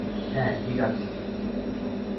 হ্যাঁ ঠিক আছি।